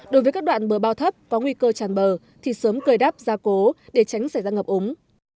đối với các đoạn bờ bao thấp có nguy cơ tràn bờ thì sớm cười đắp gia cố để tránh xảy ra ngập ống